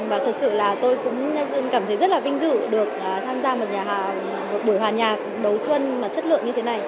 và thật sự là tôi cũng cảm thấy rất là vinh dự được tham gia